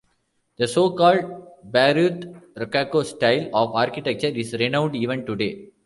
The so-called "Bayreuth Rococo" style of architecture is renowned even today.